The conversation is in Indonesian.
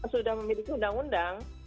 sudah memiliki undang undang